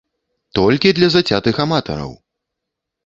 Толькі для зацятых аматараў!